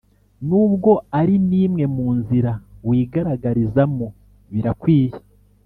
nubwo ari n imwe mu nzira wigaragarizamo birakwiye